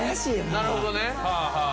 なるほどね。